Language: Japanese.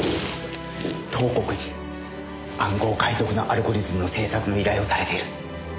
東国に暗号解読のアルゴリズムの制作の依頼をされている。